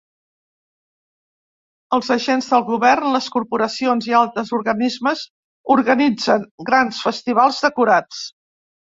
Els agents del govern, les corporacions i altres organismes organitzen gran festivals decorats.